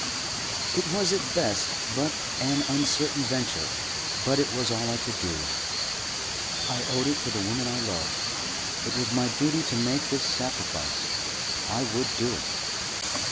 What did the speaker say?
It was at best but an uncertain venture, but it was all I could do. I owed it to the woman I loved. It was my duty to make this sacrifice. I would do it.